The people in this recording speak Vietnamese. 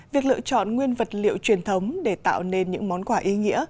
việc lựa chọn nguyên vật liệu truyền thống để tạo nên những món quà ý nghĩa